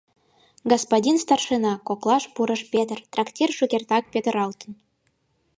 — Господин старшина, — коклаш пурыш Петер, — трактир шукертак петыралтын.